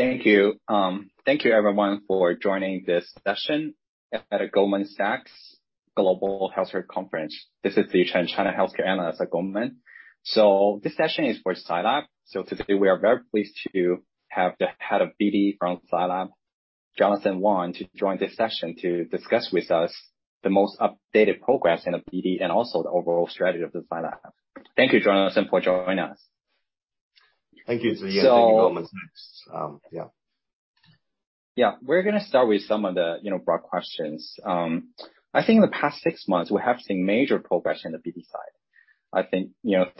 Thank you. Thank you everyone for joining this session at Goldman Sachs Global Healthcare Conference. This is Ziyi Chen, China healthcare analyst at Goldman. This session is for Zai Lab. Today, we are very pleased to have the Head of BD from Zai Lab, Jonathan Wang, to join this session to discuss with us the most updated progress in the BD and also the overall strategy of the Zai Lab. Thank you, Jonathan, for joining us. Thank you, Ziyi Chen. Thank you, Goldman Sachs. Yeah. Yeah. We're going to start with some of the broad questions. I think in the past six months, we have seen major progress in the BD side. I think,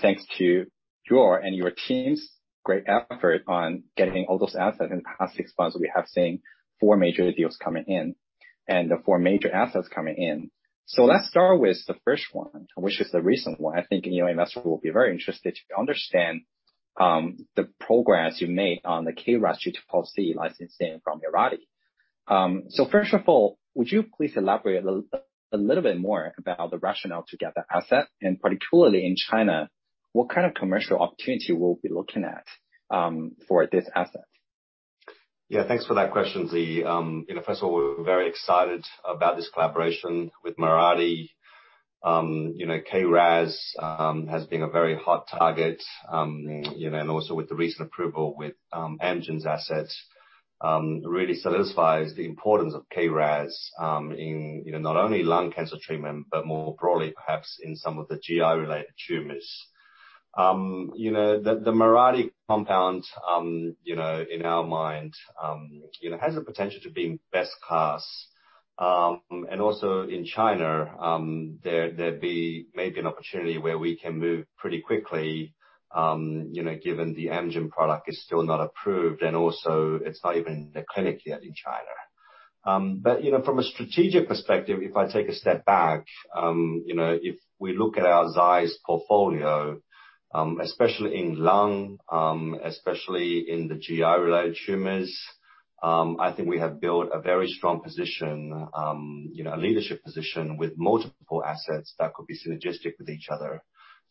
thanks to your and your team's great effort on getting all those assets in the past six months, we have seen four major deals coming in and the four major assets coming in. Let's start with the first one, which is the recent one. I think investors will be very interested to understand the progress you made on the KRAS G12C licensing from Mirati. First of all, would you please elaborate a little bit more about the rationale to get the asset and particularly in China, what kind of commercial opportunity we'll be looking at for this asset? Thanks for that question, Ziyi Chen. First of all, we're very excited about this collaboration with Mirati. KRAS has been a very hot target, and also with the recent approval with Amgen's asset, really solidifies the importance of KRAS in not only lung cancer treatment, but more broadly, perhaps in some of the GI-related tumors. The Mirati compound, in our mind, has the potential to be best class. In China, there'd be maybe an opportunity where we can move pretty quickly, given the Amgen product is still not approved, and also it's not even in the clinic yet in China. From a strategic perspective, if I take a step back, if we look at Zai's portfolio, especially in lung, especially in the GI-related tumors, I think we have built a very strong position, a leadership position with multiple assets that could be synergistic with each other.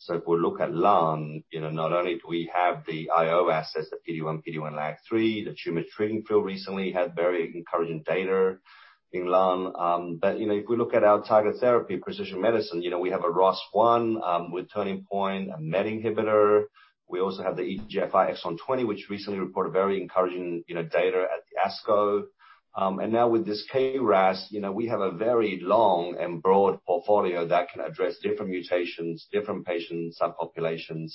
If we look at lung, not only do we have the IO assets, the PD-1, PD-L1, LAG-3, the Tumor Treating Fields recently had very encouraging data in lung. If we look at our targeted therapy, precision medicine, we have a ROS1, with Turning Point, a MET inhibitor. We also have the EGFR exon 20, which recently reported very encouraging data at the ASCO. Now with this KRAS, we have a very long and broad portfolio that can address different mutations, different patient subpopulations.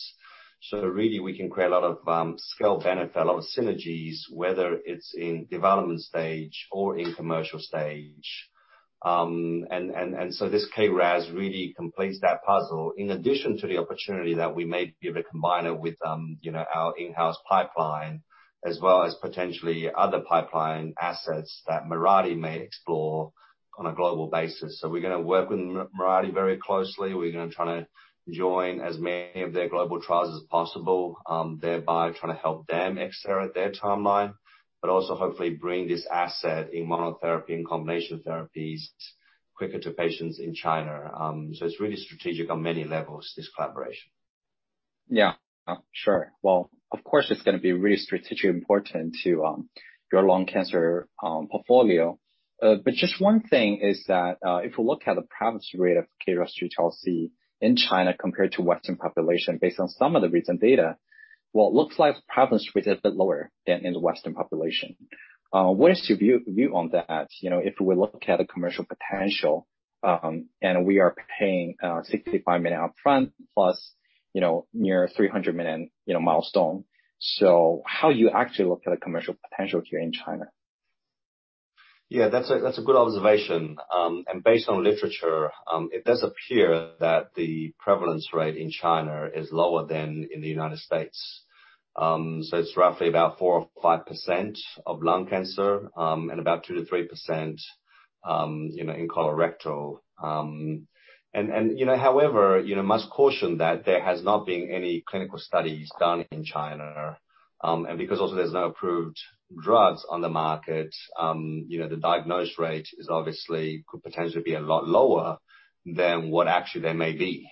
Really we can create a lot of scale benefit, a lot of synergies, whether it's in development stage or in commercial stage. This KRAS really completes that puzzle. In addition to the opportunity that we may be able to combine it with our in-house pipeline, as well as potentially other pipeline assets that Mirati may explore on a global basis. We're going to work with Mirati very closely. We're going to try to join as many of their global trials as possible, thereby trying to help them accelerate their timeline, but also hopefully bring this asset in monotherapy and combination therapies quicker to patients in China. It's really strategic on many levels, this collaboration. Yeah, sure. Well, of course, it's going to be really strategically important to your lung cancer portfolio. Just one thing is that, if you look at the prevalence rate of KRAS G12C in China compared to Western population based on some of the recent data, well, it looks like the prevalence rate is a bit lower than in the Western population. What is your view on that if we look at the commercial potential, and we are paying $65 million up front plus near $300 million in milestone. How do you actually look at the commercial potential here in China? Yeah, that's a good observation. Based on literature, it does appear that the prevalence rate in China is lower than in the U.S. It's roughly about 4% or 5% of lung cancer, and about 2%-3% in colorectal. However, I must caution that there has not been any clinical studies done in China. Because also there's no approved drugs on the market, the diagnosed rate could potentially be a lot lower than what actually they may be.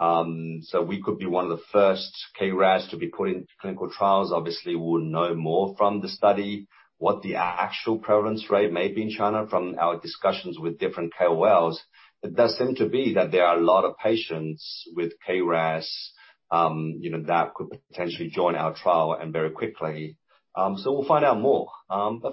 We could be one of the first KRAS to be put into clinical trials. Obviously, we'll know more from the study what the actual prevalence rate may be in China from our discussions with different KOLs. It does seem to be that there are a lot of patients with KRAS, that could potentially join our trial and very quickly. We'll find out more.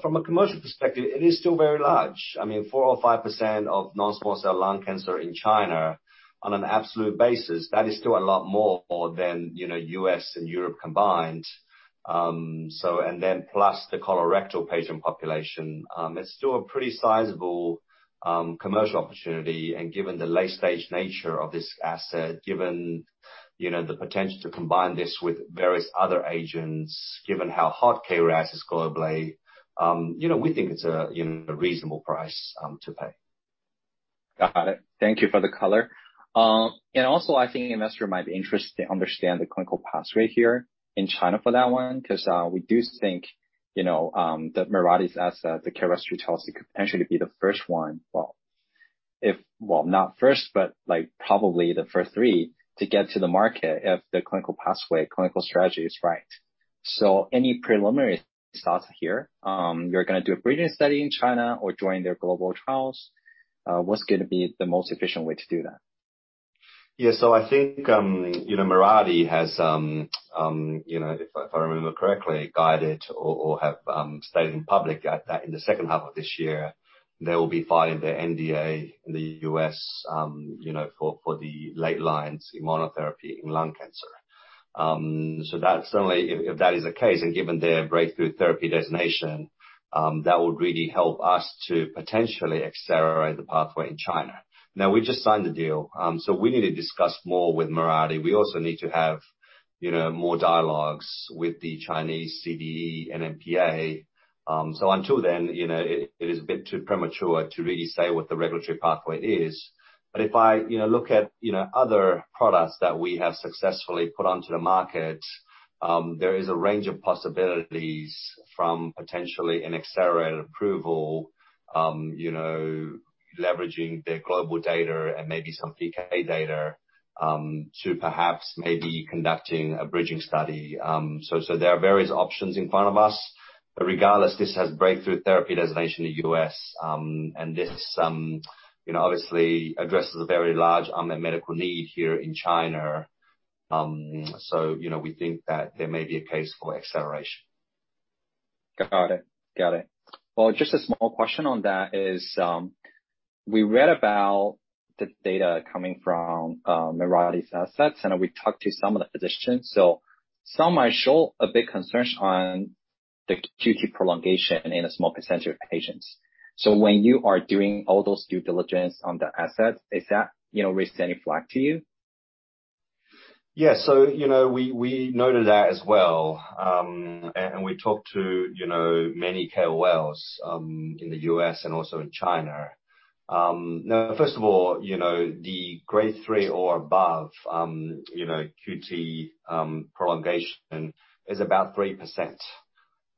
From a commercial perspective, it is still very large. I mean, 4% or 5% of non-small cell lung cancer in China on an absolute basis, that is still a lot more than U.S. and Europe combined. Plus the colorectal patient population. It's still a pretty sizable commercial opportunity, and given the late-stage nature of this asset, given the potential to combine this with various other agents, given how hot KRAS is globally, we think it's a reasonable price to pay. Got it. Thank you for the color. Also, I think investors might be interested to understand the clinical pathway here in China for that one, because we do think that Mirati Therapeutics' asset, the KRAS G12C, could potentially be the first one, not first, but probably the first three to get to the market if the clinical pathway, clinical strategy is right. Any preliminary thoughts here? You're going to do a bridging study in China or join their global trials. What's going to be the most efficient way to do that? Yeah. I think Mirati has, if I remember correctly, guided or have stated in public that in the second half of this year, they will be filing their NDA in the U.S. for the late lines immunotherapy in lung cancer. Certainly, if that is the case, and given their breakthrough therapy designation, that would really help us to potentially accelerate the pathway in China. Now, we just signed the deal. We need to discuss more with Mirati. We also need to have more dialogues with the Chinese CDE and NMPA. Until then, it is a bit too premature to really say what the regulatory pathway is. If I look at other products that we have successfully put onto the market, there is a range of possibilities from potentially an accelerated approval, leveraging their global data and maybe some PK data, to perhaps maybe conducting a bridging study. There are various options in front of us, but regardless, this has breakthrough therapy designation in the U.S., and this obviously addresses a very large unmet medical need here in China. We think that there may be a case for acceleration. Got it. Well, just a small question on that is, we read about the data coming from Mirati's assets, and we talked to some of the physicians. Some might show a big concern on the QT prolongation in a small percentage of patients. When you are doing all those due diligence on the assets, is that raising a flag to you? Yeah. We noted that as well. We talked to many KOLs in the U.S. and also in China. Now, first of all, the grade 3 or above QT prolongation is about 3%.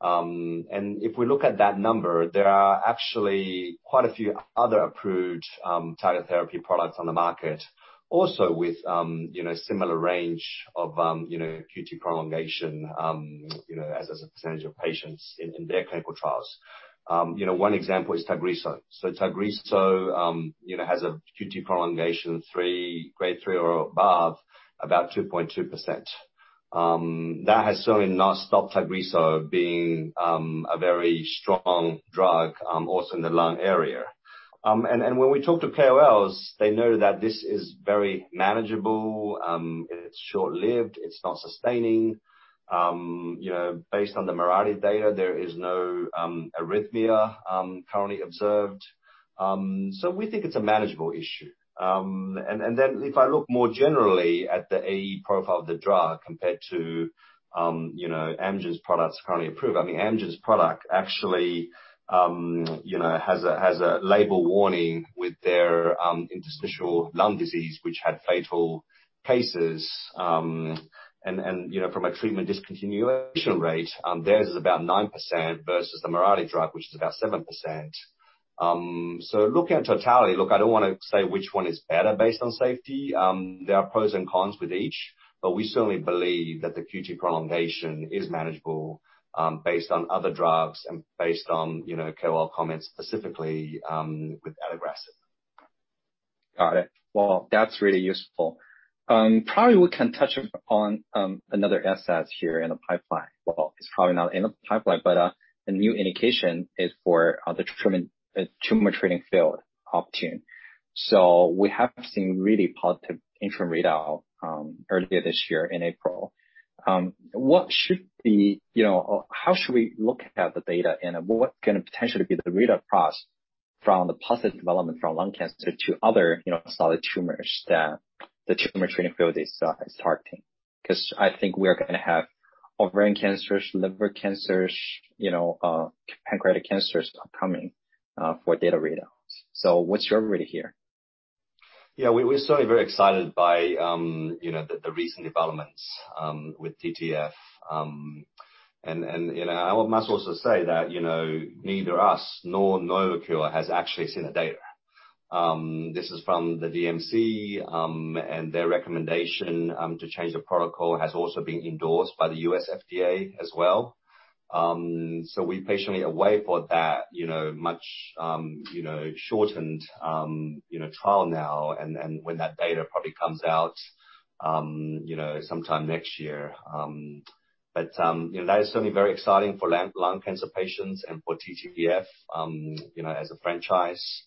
If we look at that number, there are actually quite a few other approved targeted therapy products on the market also with similar range of QT prolongation as a percentage of patients in their clinical trials. One example is TAGRISSO. TAGRISSO has a QT prolongation grade 3 or above about 2.2%. That has certainly not stopped TAGRISSO being a very strong drug also in the lung area. When we talk to KOLs, they know that this is very manageable. It's short-lived. It's not sustaining. Based on the Mirati data, there is no arrhythmia currently observed. We think it's a manageable issue. If I look more generally at the AE profile of the drug compared to Amgen's products currently approved, Amgen's product actually has a label warning with their interstitial lung disease, which had fatal cases. From a treatment discontinuation rate, theirs is about 9% versus the Mirati drug, which is about 7%. Looking at totality, look, I don't want to say which one is better based on safety. There are pros and cons with each, but we certainly believe that the QT prolongation is manageable based on other drugs and based on KOL comments specifically with TAGRISSO. Got it. Well, that's really useful. Probably we can touch upon another asset here in the pipeline. Well, it's probably not in the pipeline, but a new indication is for the tumor microenvironment field Optune. We have seen really positive interim readout earlier this year in April. How should we look at the data, and what can potentially be the read across from the positive development from lung cancer to other solid tumors that the tumor microenvironment field is targeting? Because I think we are going to have ovarian cancers, liver cancers, pancreatic cancers upcoming for data readouts. What's your read here? Yeah. We're certainly very excited by the recent developments with TTF. I must also say that neither us nor Novocure has actually seen the data. This is from the DMC, and their recommendation to change the protocol has also been endorsed by the US FDA as well. We patiently await for that much shortened trial now and when that data probably comes out sometime next year. That is certainly very exciting for lung cancer patients and for TTF as a franchise.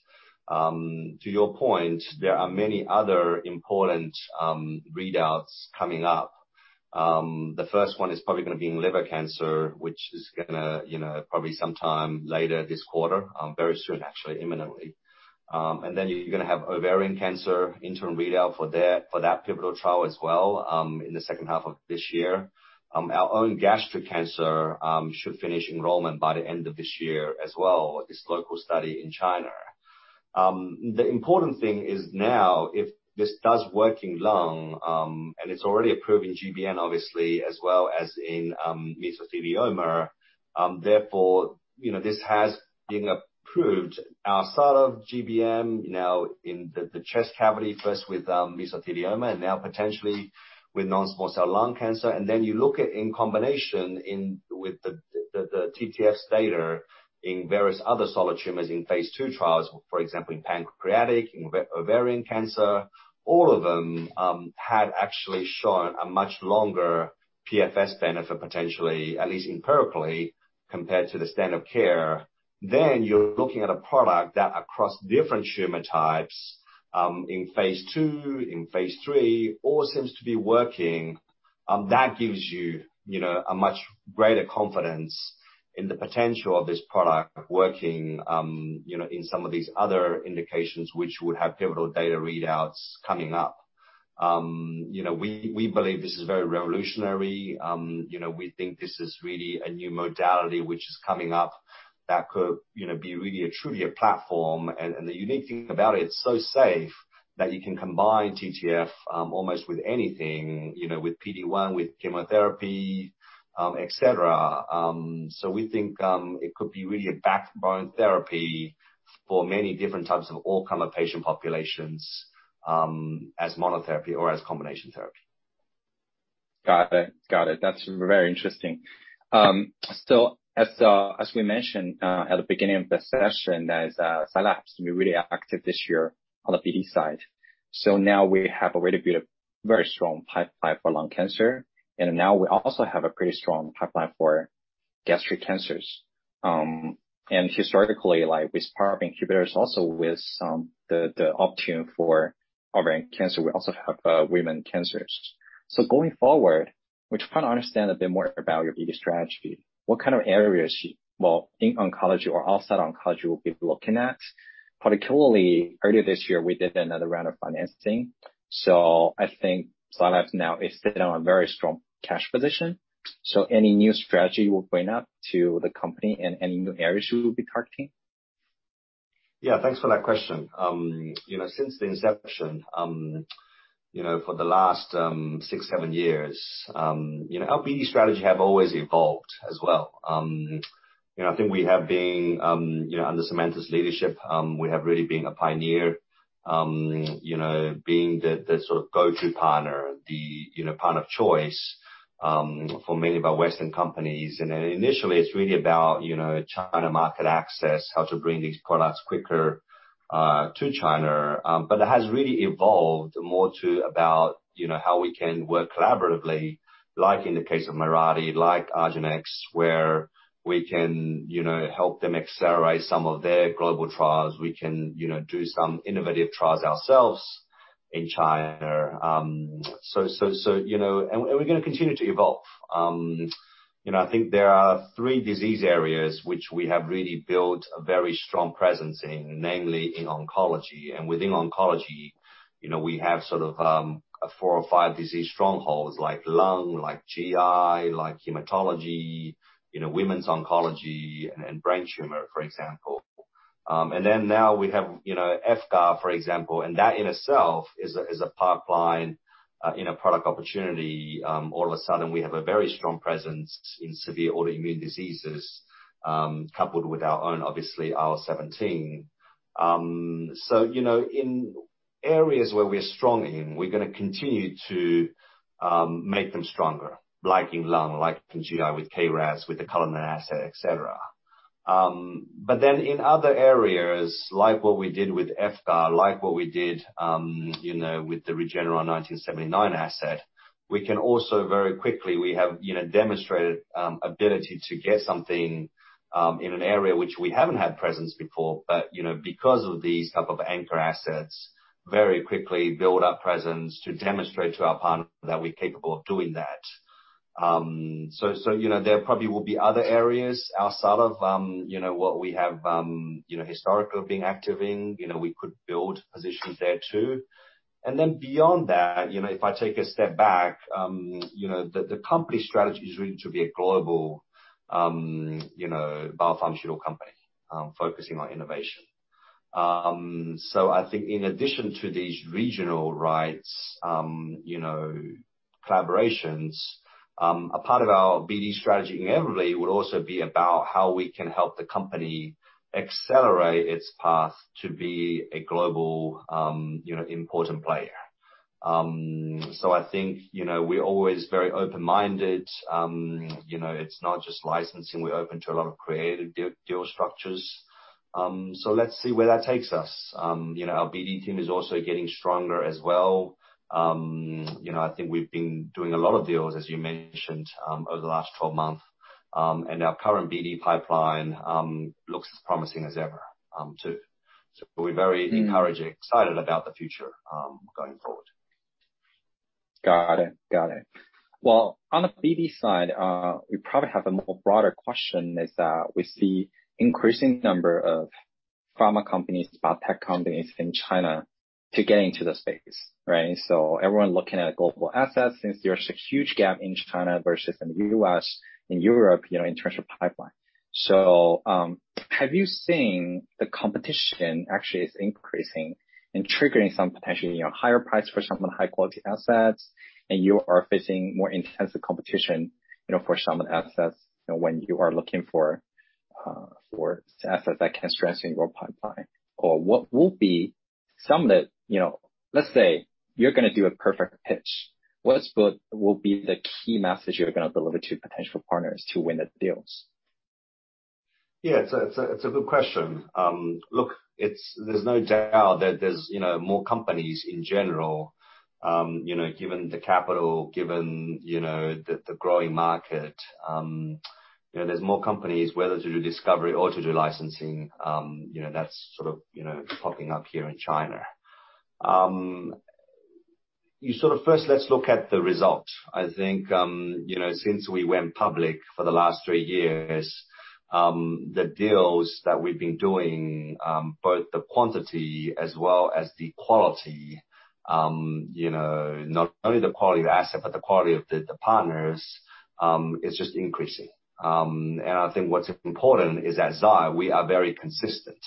To your point, there are many other important readouts coming up. The first one is probably going to be in liver cancer, which is going to probably sometime later this quarter, very soon, actually, imminently. You're going to have ovarian cancer interim readout for that pivotal trial as well in the second half of this year. Our own gastric cancer should finish enrollment by the end of this year as well, this local study in China. The important thing is now, if this does work in lung, and it's already approved in GBM, obviously, as well as in mesothelioma, therefore, this has been approved outside of GBM, now in the chest cavity, first with mesothelioma and now potentially with non-small cell lung cancer. Then you look at in combination with the TTFields in various other solid tumors in phase II trials, for example, in pancreatic, in ovarian cancer, all of them have actually shown a much longer PFS benefit, potentially, at least empirically compared to the standard of care, then you're looking at a product that across different tumor types, in phase II, in phase III, all seems to be working. That gives you a much greater confidence in the potential of this product working in some of these other indications, which would have pivotal data readouts coming up. We believe this is very revolutionary. We think this is really a new modality which is coming up that could be really truly a platform. The unique thing about it's so safe that you can combine TTF almost with anything, with PD-1, with chemotherapy, et cetera. We think it could be really a backbone therapy for many different types of all kind of patient populations, as monotherapy or as combination therapy. Got it. That's very interesting. As we mentioned at the beginning of the session, that is Zai Lab has been really active this year on the BD side. Now we have already built a very strong pipeline for lung cancer, and now we also have a pretty strong pipeline for gastric cancers. Historically, like with our incubators, also with the option for brain cancer, we also have women cancers. Going forward, we try to understand a bit more about your BD strategy. What kind of areas, well, in oncology or outside oncology, you will be looking at. Particularly, earlier this year, we did another round of financing. I think Zai Lab now is sitting on a very strong cash position. Any new strategy you are bringing up to the company and any new areas you will be targeting? Yeah, thanks for that question. Since the inception, for the last six, seven years, our BD strategy have always evolved as well. I think under Samantha's leadership, we have really been a pioneer, being the sort of go-to partner, the partner of choice, for many of our Western companies. Initially, it's really about China market access, how to bring these products quicker to China. It has really evolved more to about how we can work collaboratively, like in the case of Mirati, like argenx, where we can help them accelerate some of their global trials. We can do some innovative trials ourselves in China. We're going to continue to evolve. I think there are three disease areas which we have really built a very strong presence in, namely in oncology. Within oncology we have sort of four or five disease strongholds, like lung, like GI, like hematology, women's oncology, and brain tumor, for example. Now we have VYVGART, for example, and that in itself is a pipeline product opportunity. All of a sudden, we have a very strong presence in severe autoimmune diseases, coupled with our own, obviously, IL-17. In areas where we're strong in, we're going to continue to make them stronger, like in lung, like in GI, with KRAS, with the Cullinan asset, et cetera. In other areas, like what we did with EFGAR, like what we did with the REGN1979 asset, we can also very quickly, we have demonstrated ability to get something in an area which we haven't had presence before, but because of these type of anchor assets, very quickly build our presence to demonstrate to our partner that we're capable of doing that. There probably will be other areas outside of what we have historically been active in. We could build positions there, too. Beyond that, if I take a step back, the company strategy is really to be a global biopharmaceutical company, focusing on innovation. I think in addition to these regional rights collaborations, a part of our BD strategy more broadly will also be about how we can help the company accelerate its path to be a global important player. I think we're always very open-minded. It's not just licensing, we're open to a lot of creative deal structures. Let's see where that takes us. Our BD team is also getting stronger as well. I think we've been doing a lot of deals, as you mentioned, over the last 12 months. Our current BD pipeline looks as promising as ever, too. We're very encouraged and excited about the future going forward. Got it. On the BD side, we probably have a more broader question is that we see increasing number of pharma companies, biotech companies in China to get into the space, right? Everyone looking at global assets, since there's a huge gap in China versus in U.S. and Europe in terms of pipeline. Have you seen the competition actually is increasing and triggering some potentially higher price for some of the high-quality assets, and you are facing more intensive competition for some of the assets when you are looking for assets that can strengthen your pipeline? Let's say you're going to do a perfect pitch. What will be the key message you're going to deliver to potential partners to win the deals? Yeah, it's a good question. Look, there's no doubt that there's more companies in general, given the capital, given the growing market. There's more companies, whether to do discovery or to do licensing, that's sort of popping up here in China. Let's look at the results. I think, since we went public for the last three years, the deals that we've been doing both the quantity as well as the quality, not only the quality of asset, but the quality of the partners, is just increasing. I think what's important is at Zai, we are very consistent.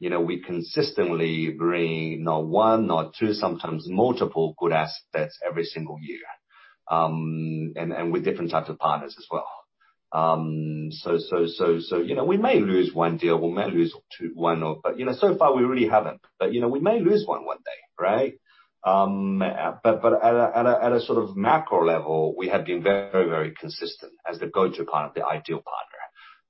We consistently bring not one or two, sometimes multiple good assets every single year, and with different types of partners as well. We may lose one deal, we may lose two, why not? So far we really haven't. We may lose one day, right? At a sort of macro level, we have been very consistent as the go-to partner, the ideal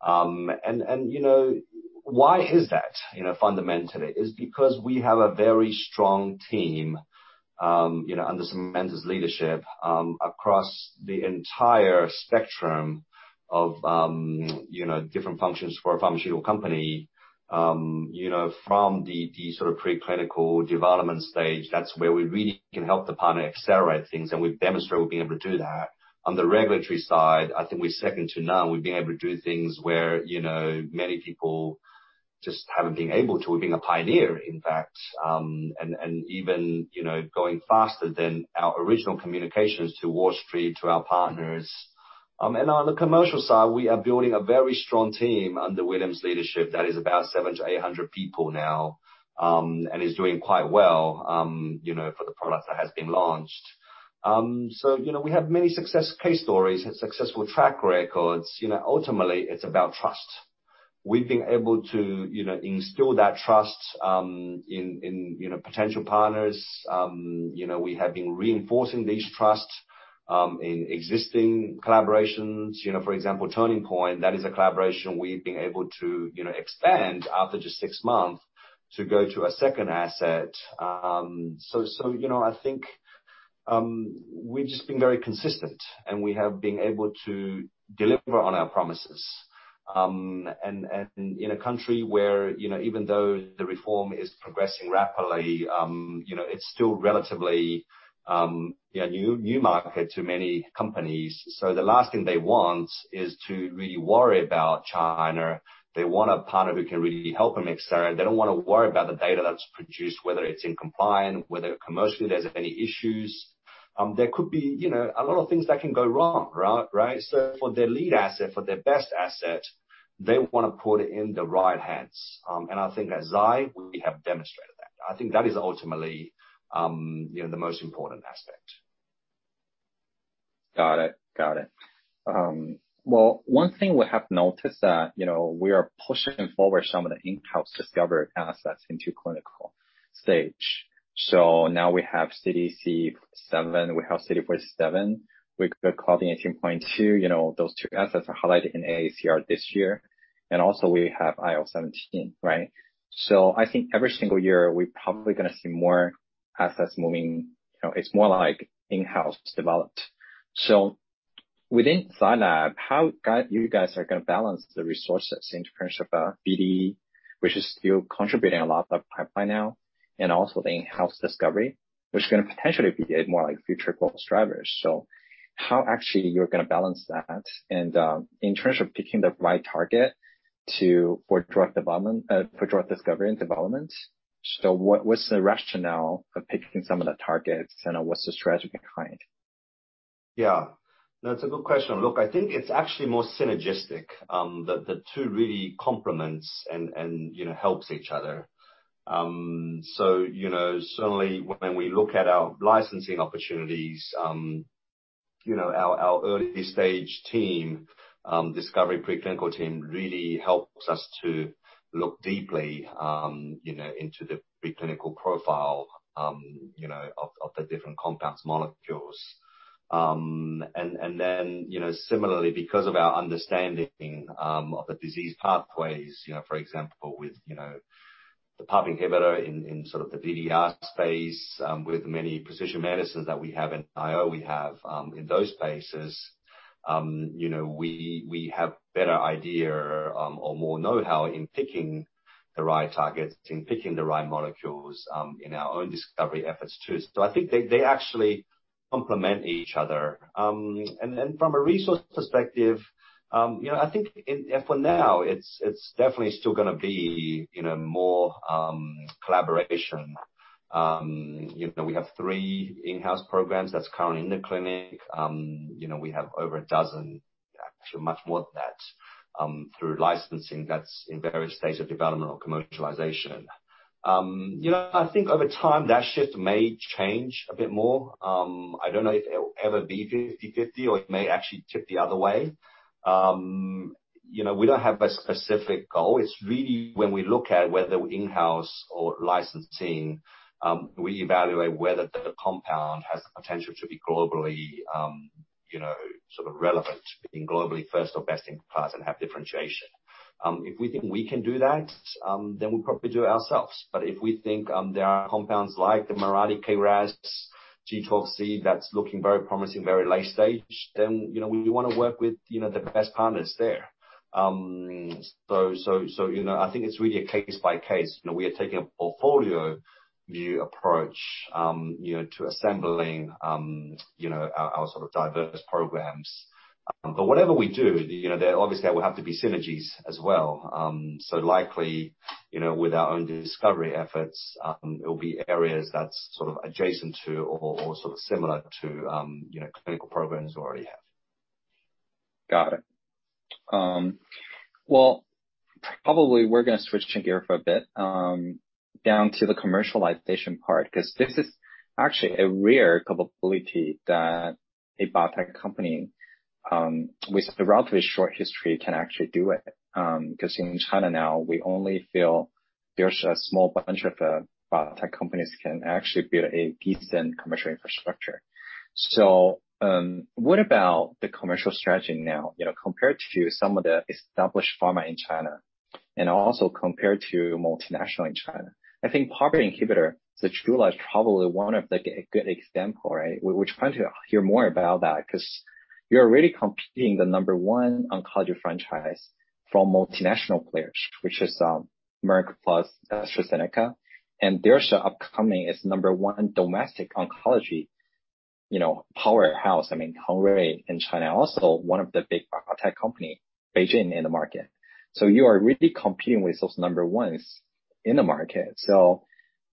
partner. Why is that fundamentally? It's because we have a very strong team, under some tremendous leadership, across the entire spectrum of different functions for a functional company from the sort of preclinical development stage, that's where we really can help the partner accelerate things, and we've demonstrated we've been able to do that. On the regulatory side, I think we're second to none. We've been able to do things where many people just haven't been able to. We've been a pioneer, in fact, and even going faster than our original communications to Wall Street, to our partners. On the commercial side, we are building a very strong team under William's leadership that is about 700-800 people now, and is doing quite well for the product that has been launched. We have many success case stories and successful track records. Ultimately, it's about trust. We've been able to instill that trust in potential partners. We have been reinforcing this trust in existing collaborations. For example, Turning Point, that is a collaboration we've been able to expand after just six months to go to a second asset. I think, we've just been very consistent, and we have been able to deliver on our promises. In a country where, even though the reform is progressing rapidly, it's still relatively a new market to many companies. The last thing they want is to really worry about China. They want a partner who can really help them accelerate. They don't want to worry about the data that's produced, whether it's in compliance, whether commercially there's any issues. There could be a lot of things that can go wrong, right? For their lead asset, for their best asset, they want to put it in the right hands. I think at Zai, we have demonstrated that. I think that is ultimately the most important aspect. Got it. Well, one thing we have noticed that we are pushing forward some of the in-house discovered assets into clinical stage. Now we have ZL-1310, we have CD47 with the Claudin 18.2. Those two assets are highlighted in AACR this year, and also we have IL-17, right? I think every single year we're probably going to see more assets moving. It's more like in-house developed. Within Zai Lab, how you guys are going to balance the resources in terms of BD, which is still contributing a lot of the pipeline now, and also the in-house discovery, which can potentially be more like future growth drivers. How actually you're going to balance that and in terms of picking the right target for drug discovery and development. What's the rationale for picking some of the targets and what's the strategy behind? Yeah, that's a good question. Look, I think it's actually more synergistic, that the two really complements and helps each other. Certainly when we look at our licensing opportunities, our early-stage team, discovery preclinical team really helps us to look deeply into the preclinical profile of the different compounds, molecules. Similarly, because of our understanding of the disease pathways, for example, with the PARP inhibitor in sort of the DDR space, with many precision medicines that we have in IO we have in those spaces, we have better idea, or more know-how in picking the right targets, in picking the right molecules, in our own discovery efforts too. I think they actually complement each other. From a resource perspective, I think for now it's definitely still going to be more collaboration. We have three in-house programs that's currently in the clinic. We have over a dozen, actually much more than that, through licensing that's in various stages of development or commercialization. I think over time that shift may change a bit more. I don't know if it'll ever be 50/50, or it may actually tip the other way. We don't have a specific goal. It's really when we look at whether we're in-house or licensing, we evaluate whether the compound has the potential to be globally relevant, to being globally first or best in class and have differentiation. If we think we can do that, then we'll probably do it ourselves. If we think there are compounds like the Mirati KRAS G12C that's looking very promising, very late stage, then we want to work with the best partners there. I think it's really a case-by-case. We are taking a portfolio view approach to assembling our sort of diverse programs. Whatever we do, there obviously will have to be synergies as well. Likely, with our own discovery efforts, it'll be areas that's sort of adjacent to or sort of similar to clinical programs we already have. Got it. Probably we're going to switch gear for a bit, down to the commercialization part, because this is actually a rare capability that a biotech company with a relatively short history can actually do it. In China now, we only feel there's a small bunch of biotech companies can actually build a decent commercial infrastructure. What about the commercial strategy now, compared to some of the established pharma in China, and also compared to multinational in China? I think PARP inhibitor, ZEJULA, is probably one of a good example, right? We're trying to hear more about that because you're already competing the number one oncology franchise from multinational players, which is Merck plus AstraZeneca, and their upcoming is number 1 domestic oncology powerhouse. I mean, Hengrui in China, also one of the big biotech company, BeiGene in the market. You are really competing with those number ones in the market.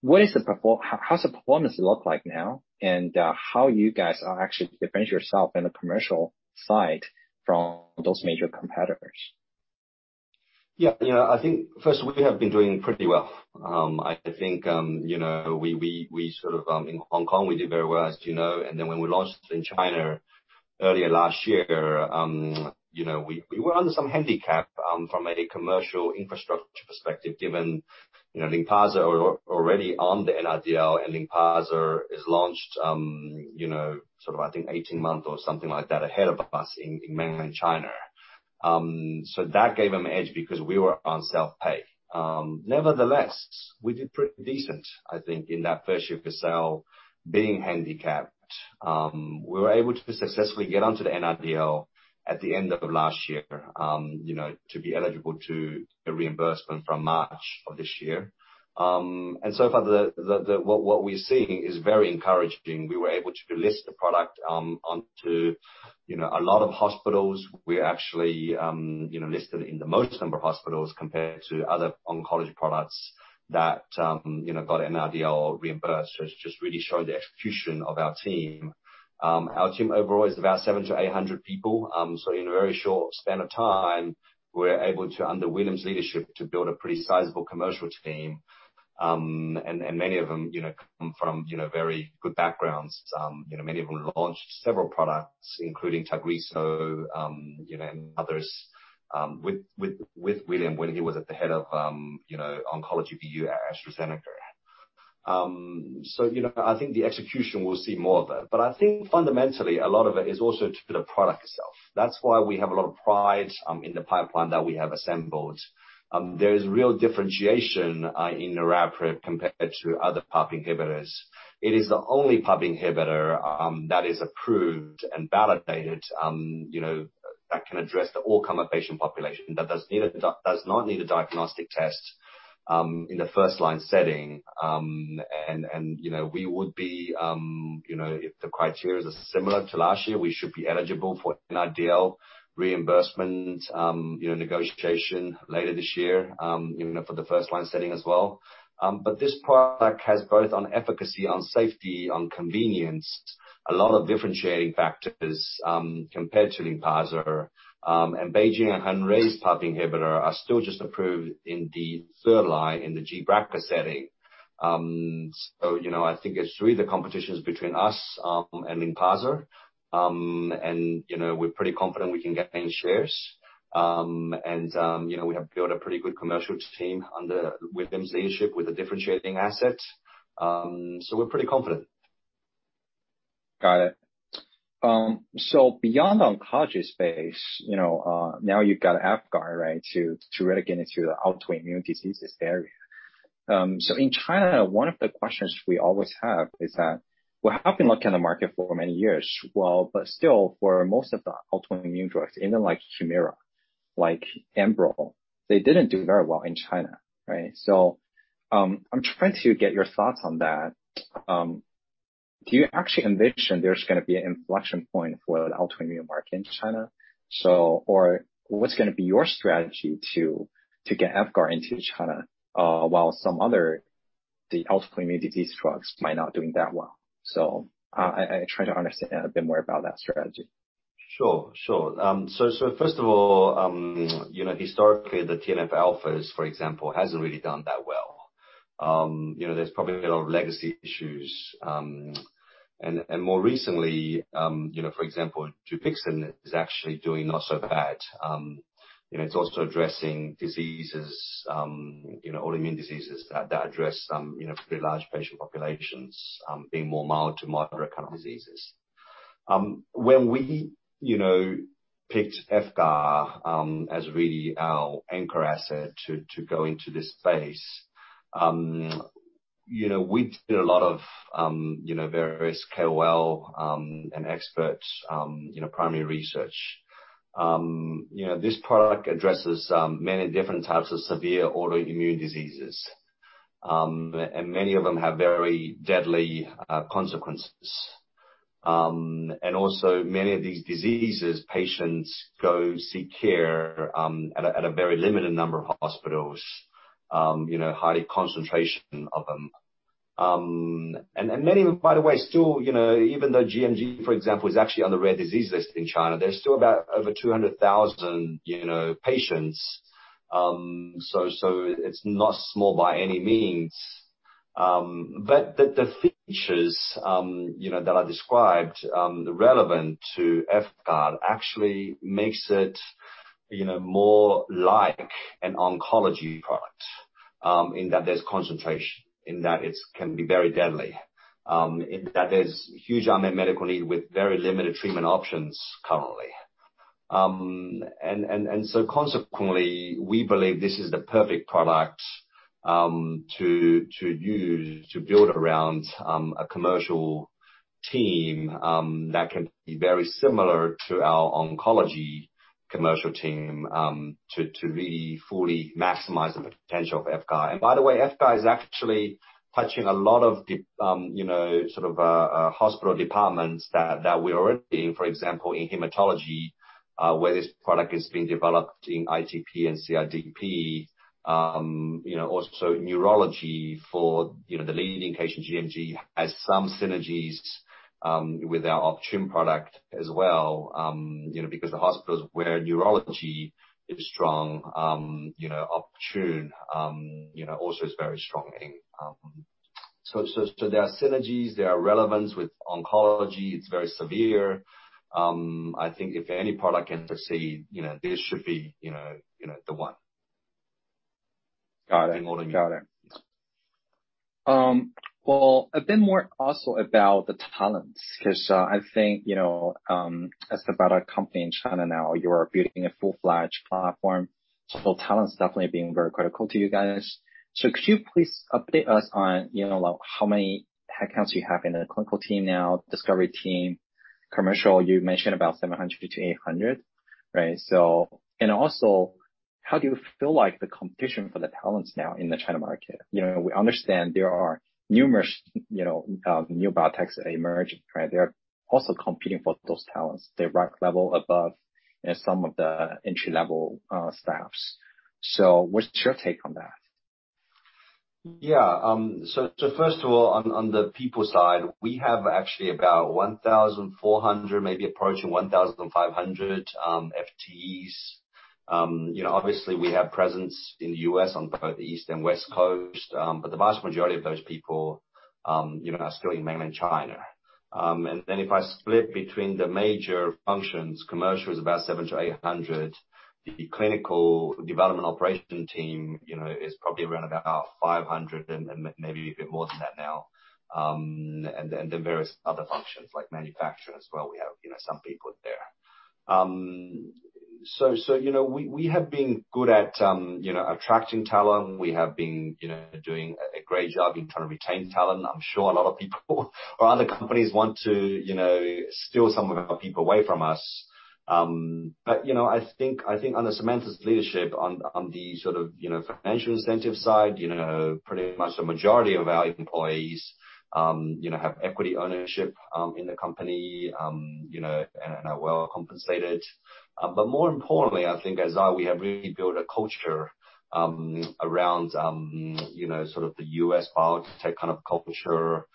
How's the performance look like now, and how you guys are actually differentiate yourself in the commercial side from those major competitors? I think first, we have been doing pretty well. I think in Hong Kong, we did very well. Then when we launched in China earlier last year, we were under some handicap from a commercial infrastructure perspective, given LYNPARZA already on the NRDL, and LYNPARZA is launched, I think 18 months or something like that ahead of us in mainland China. That gave them edge because we were on self-pay. Nevertheless, we did pretty decent, I think, in that first year for sale being handicapped. We were able to successfully get onto the NRDL at the end of last year to be eligible to a reimbursement from March of this year. So far what we're seeing is very encouraging. We were able to list the product onto a lot of hospitals. We actually listed in the most number of hospitals compared to other oncology products that got NRDL reimbursed, just really showing the execution of our team. Our team overall is about 700-800 people. In a very short span of time, we're able to, under William's leadership, to build a pretty sizable commercial team. Many of them come from very good backgrounds. Many of them launched several products, including TAGRISSO, and others, with William when he was at the head of oncology BU at AstraZeneca. I think the execution, we'll see more of it. I think fundamentally, a lot of it is also to the product itself. That's why we have a lot of pride in the pipeline that we have assembled. There is real differentiation in niraparib compared to other PARP inhibitors. It is the only PARP inhibitor that is approved and validated, that can address the all-comer patient population, that does not need a diagnostic test in a first-line setting. We would be, if the criteria is similar to last year, we should be eligible for NRDL reimbursement negotiation later this year, even for the first-line setting as well. This product has both on efficacy, on safety, on convenience, a lot of differentiating factors compared to LYNPARZA. BeiGene and Hengrui's PARP inhibitor are still just approved in the third line in the gBRCA setting. I think it's really the competition is between us and LYNPARZA. We're pretty confident we can gain shares. We have built a pretty good commercial team under William's leadership with a differentiating asset. We're pretty confident. Got it. Beyond oncology space, now you've got VYVGART, right, to get into the autoimmune diseases area. In China, one of the questions we always have is that we have been looking at the market for many years, well, but still for most of the autoimmune drugs, even like Humira, like ENBREL, they didn't do very well in China, right? I'm trying to get your thoughts on that. Do you actually envision there's going to be an inflection point for the autoimmune market in China? What's going to be your strategy to get VYVGART into China while some other, the autoimmune disease drugs might not doing that well? I try to understand a bit more about that strategy. Sure. First of all, historically, the TNF alpha, for example, hasn't really done that well. There's probably a lot of legacy issues. More recently, for example, DUPIXENT is actually doing not so bad. It's also addressing diseases, autoimmune diseases that address pretty large patient populations, being more mild to moderate kind of diseases. When we picked VYVGART as really our anchor asset to go into this space-We've done a lot of various KOL and expert primary research. This product addresses many different types of severe autoimmune diseases, and many of them have very deadly consequences. Also, many of these diseases, patients go seek care at a very limited number of hospitals, high concentration of them. Many, by the way, still, even though gMG, for example, is actually on the rare disease list in China, there's still about over 200,000 patients. It's not small by any means. The features that I described relevant to VYVGART actually makes it more like an oncology product in that there's concentration, in that it can be very deadly, in that there's huge unmet medical need with very limited treatment options currently. Consequently, we believe this is the perfect product to use to build around a commercial team that can be very similar to our oncology commercial team to really fully maximize the potential of VYVGART. By the way, VYVGART is actually touching a lot of hospital departments that we're already in, for example, in hematology, where this product is being developed in ITP and CIDP, also neurology for the leading patient, gMG, has some synergies with our Optune product as well because the hospitals where neurology is strong, Optune also is very strong in. There are synergies, there are relevance with oncology. It's very severe. I think if any product can succeed, this should be the one. Got it. Well, a bit more also about the talents, because I think as a biotech company in China now, you are building a full-fledged platform. Talent's definitely being very critical to you guys. Could you please update us on how many headcounts you have in the clinical team now, discovery team, commercial, you mentioned about 700-800. Right? And also, how do you feel like the competition for the talents now in the China market? We understand there are numerous new biotechs that are emerging, right? They're also competing for those talents, the direct level above and some of the entry level staffs. What's your take on that? First of all, on the people side, we have actually about 1,400, maybe approaching 1,500 FTEs. Obviously, we have presence in the U.S. on both the east and west coast. The vast majority of those people are still in mainland China. If I split between the major functions, commercial is about 700-800. The clinical development operation team is probably around about 500 and maybe a bit more than that now. Various other functions like manufacture as well, we have some people there. We have been good at attracting talent. We have been doing a great job in trying to retain talent. I'm sure a lot of people or other companies want to steal some of our people away from us. I think under Samantha's leadership on the financial incentive side, pretty much the majority of our employees have equity ownership in the company, and are well compensated. More importantly, I think at Zai Lab, we have really built a culture around the U.S. biotech culture,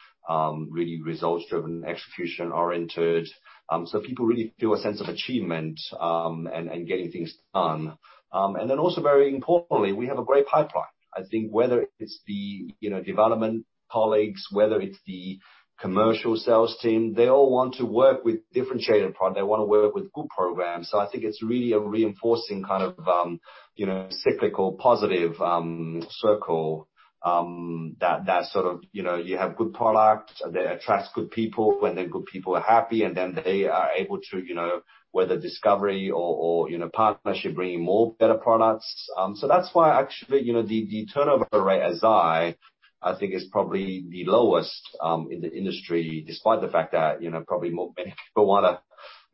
really results-driven, execution-oriented. People really feel a sense of achievement, and getting things done. Also very importantly, we have a great pipeline. I think whether it's the development colleagues, whether it's the commercial sales team, they all want to work with differentiated product. They want to work with good programs. I think it's really a reinforcing kind of cyclical positive circle, that sort of you have good product, and it attracts good people, and then good people are happy, and then they are able to, whether discovery or partnership, bring in more better products. That's why actually, the turnover rate at Zai, I think is probably the lowest in the industry, despite the fact that probably many people want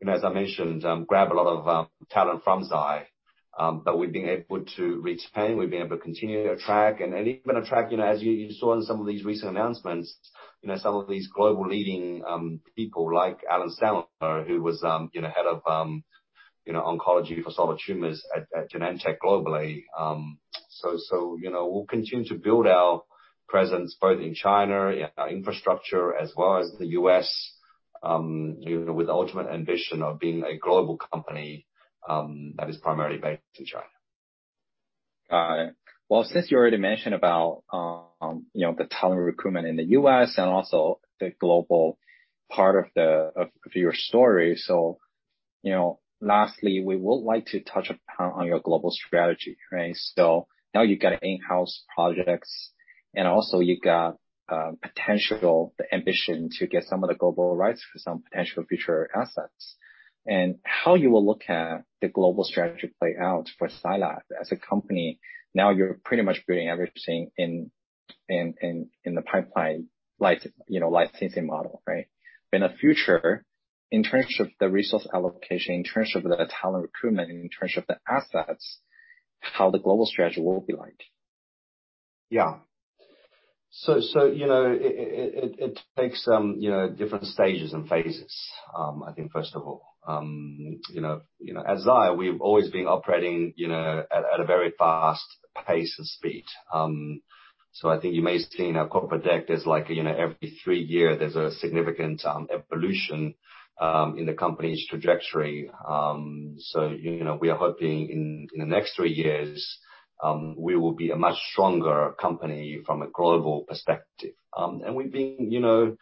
to, as I mentioned, grab a lot of talent from Zai. We've been able to retain, we've been able to continue to attract and even attract, as you saw in some of these recent announcements, some of these global leading people like Alan Sandler, who was head of oncology for solid tumors at Genentech globally. We'll continue to build our presence both in China, infrastructure, as well as the U.S., with the ultimate ambition of being a global company, that is primarily based in China. Got it. Well, since you already mentioned about the talent recruitment in the U.S. and also the global part of your story. Lastly, we would like to touch upon on your global strategy, right? Now you got in-house projects, and also you got potential, the ambition to get some of the global rights for some potential future assets. How you will look at the global strategy play out for Zai Lab as a company. Now you're pretty much building everything in the pipeline life-saving model, right? In the future, in terms of the resource allocation, in terms of the talent recruitment, in terms of the assets, how the global strategy will be like? Yeah. It takes different stages and phases, I think first of all. At Zai, we've always been operating at a very fast pace of speed. I think you may see in our corporate deck, there's like every three years, there's a significant evolution in the company's trajectory. We are hoping in the next three years, we will be a much stronger company from a global perspective. We've been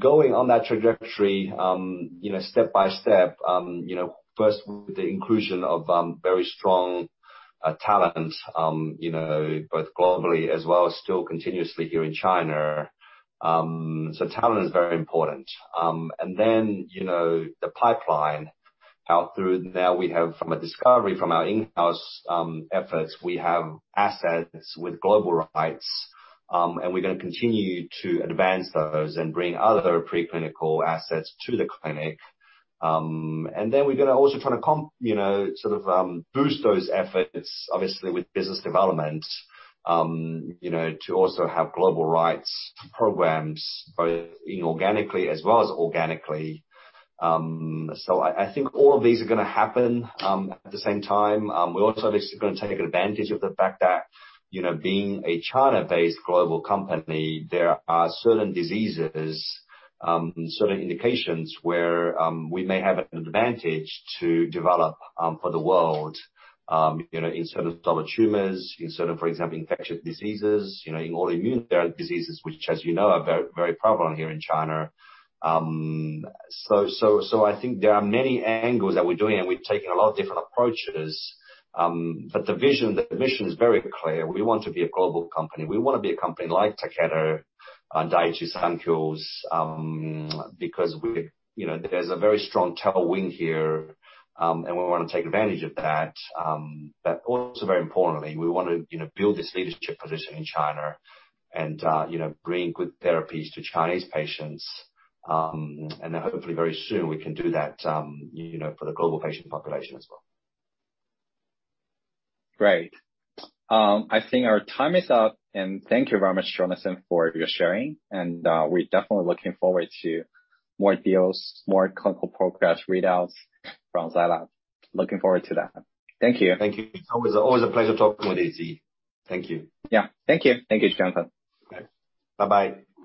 going on that trajectory step by step, first with the inclusion of very strong talent, both globally as well as still continuously here in China. Talent is very important. Then, the pipeline. Now through there, we have from a discovery from our in-house efforts, we have assets with global rights, and we're going to continue to advance those and bring other preclinical assets to the clinic. Then we're going to also try to boost those efforts, obviously, with business development, to also have global rights to programs both inorganically as well as organically. I think all of these are going to happen at the same time. We're also obviously going to take advantage of the fact that being a China-based global company, there are certain diseases, certain indications where we may have an advantage to develop for the world, in solid tumors, in, for example, infectious diseases, autoimmune diseases, which as you know, are very prevalent here in China. I think there are many angles that we're doing, and we've taken a lot of different approaches. The vision, the mission is very clear. We want to be a global company. We want to be a company like Takeda and Daiichi Sankyo's, because there's a very strong talent wing here, and we want to take advantage of that. Also very importantly, we want to build this leadership position in China and bring good therapies to Chinese patients. Hopefully very soon we can do that for the global patient population as well. Great. I think our time is up, and thank you very much, Jonathan, for your sharing, and we're definitely looking forward to more deals, more clinical progress readouts from Zai Lab. Looking forward to that. Thank you. Thank you. It's always a pleasure talking with you, Ziyi. Thank you. Yeah. Thank you. Thank you, Jonathan. Okay. Bye-bye.